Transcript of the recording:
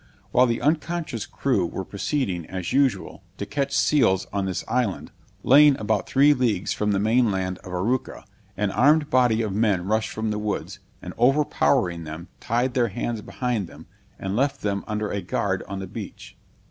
While the unconscious crew were proceeding, as usual, to catch seals on this island, lying about three leagues from the main land of Arauca, an armed body of men rushed from the woods, and overpowering them, tied their hands behind them, and left them under a guard on the beach.